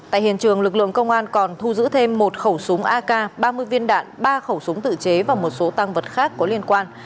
tại hiện trường lực lượng công an còn thu giữ thêm một khẩu súng ak ba mươi viên đạn ba khẩu súng tự chế và một số tăng vật khác có liên quan